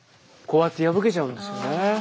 こうやって破けちゃうんですよね。